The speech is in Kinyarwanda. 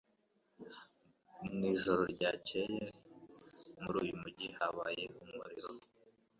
Mu ijoro ryakeye muri uyu mujyi habaye umuriro